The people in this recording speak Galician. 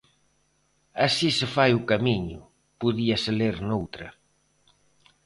Así se fai o camiño, podíase ler noutra.